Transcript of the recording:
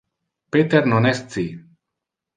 Peter non es ci.